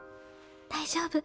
大丈夫。